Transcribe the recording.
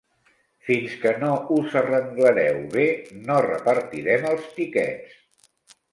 Fins que no us arrenglereu bé no repartirem els tiquets.